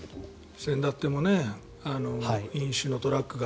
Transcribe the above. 先だっても飲酒のトラックが